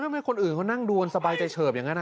ไม่คนอื่นเขานั่งดูกันสบายใจเฉิบอย่างนั้น